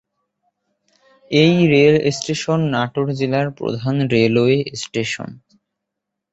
এই rail station Natore জেলার প্রধান রেলওয়ে স্টেশন।